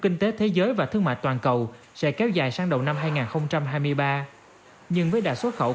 kinh tế thế giới và thương mại toàn cầu sẽ kéo dài sang đầu năm hai nghìn hai mươi ba nhưng với đại số khẩu của nước việt nam